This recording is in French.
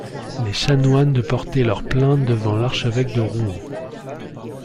Les chanoines de porter leurs plaintes devant l’archevêque de Rouen.